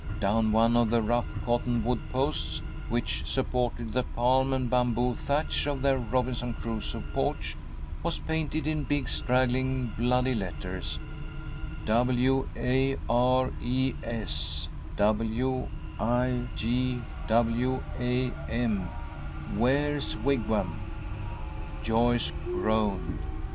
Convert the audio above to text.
Down one of the rough cottonwood posts, which supported the palm and bamboo thatch of their Robinson Crusoe porch, was painted in big, straggling, bloody letters: "W A R E S W I G W A M." Joyce groaned.